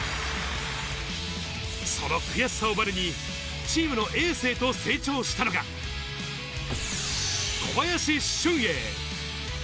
その悔しさをバネにチームのエースへと成長したのが、小林俊瑛。